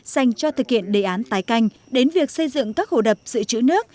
dành cho thực hiện đề án tái canh đến việc xây dựng các hồ đập dự trữ nước